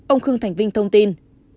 ông khương thành vinh thông tin